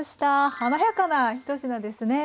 華やかな１品ですね。